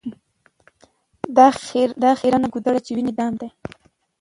دا خیرنه ګودړۍ چي وینې دام دی